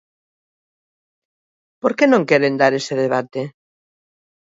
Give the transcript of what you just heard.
¿Por que non queren dar ese debate?